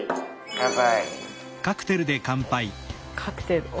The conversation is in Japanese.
乾杯。